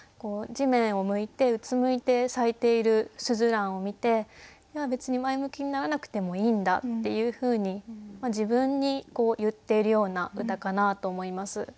地面を向いてうつむいて咲いているすずらんを見ていや別に前向きにならなくてもいいんだっていうふうに自分に言ってるような歌かなと思います。